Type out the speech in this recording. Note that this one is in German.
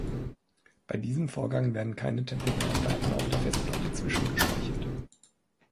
Bei diesem Vorgang werden keine temporären Daten auf der Festplatte zwischengespeichert.